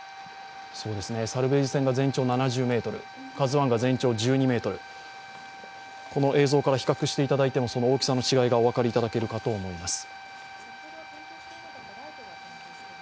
サルベージ船が全長７０ｍ「ＫＡＺＵⅠ」が全長１２ｍこの映像から比較していただいても、その大きさの違いがお分かりいただけると思います。